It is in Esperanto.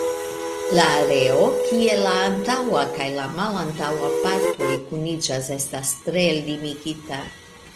La areo kie la antaŭa kaj la malantaŭa partoj kuniĝas estas tre limigita.